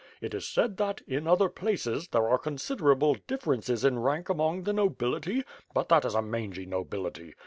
It is said that, in other places, there are considerable differences in rank among the nobility; but that is a mangy nobility.